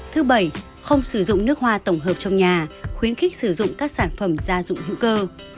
thứ bảy không sử dụng nước hoa tổng hợp trong nhà khuyến khích sử dụng các sản phẩm gia dụng hữu cơ